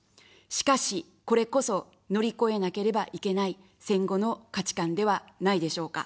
しかし、これこそ、乗り越えなければいけない戦後の価値観ではないでしょうか。